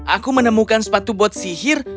aku menemukan sepatu buat sihir